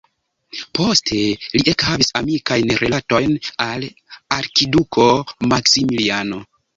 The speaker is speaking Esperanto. Poste li ekhavis amikajn rilatojn al arkiduko Maksimiliano.